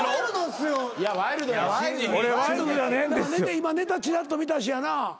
今ネタチラッと見たしやな。